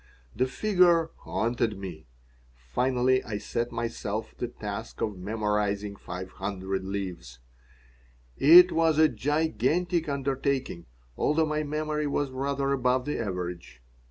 The figure haunted me. Finally I set myself the task of memorizing five hundred leaves. It was a gigantic undertaking, although my memory was rather above the average.